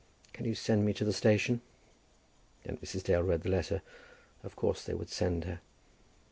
Can you send me to the station?" Then Mrs. Dale read the letter. Of course they would send her.